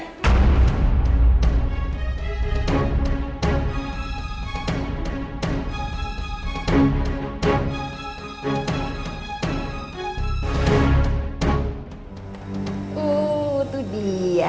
aku punya ide